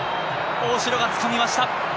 大城がつかみました。